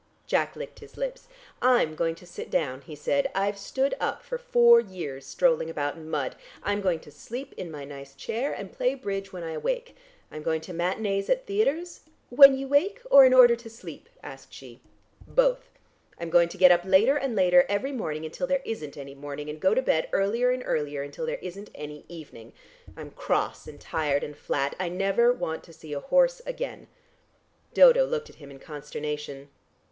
Jack licked his lips. "I'm going to sit down," he said. "I've stood up for four years strolling about in mud. I'm going to sleep in my nice chair, and play bridge when I awake. I'm going to matinées at theatres " "When you wake, or in order to sleep?" asked she. "Both. I'm going to get up later and later every morning until there isn't any morning, and go to bed earlier and earlier until there isn't any evening. I'm cross and tired and flat. I never want to see a horse again." Dodo looked at him in consternation.